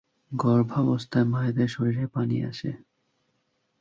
গর্ভাবস্থায় মায়েদের শরীরে পানি আসে।